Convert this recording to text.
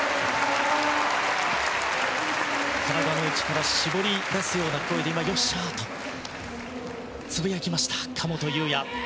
体の内から絞り出すような声でよっしゃ！とつぶやきました神本雄也。